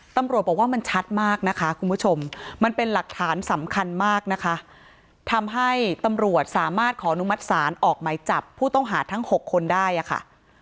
ตำรวจบอกว่ามันชัดมากนะคะคุณผู้ชมมันเป็นหลักฐานสำคัญมากนะคะทำให้ตำรวจสามารถขออนุมัติศาลออกไหมจับผู้ต้องหาทั้ง๖คนได้ค่ะ